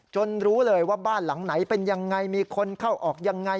รู้เลยว่าบ้านหลังไหนเป็นยังไงมีคนเข้าออกยังไง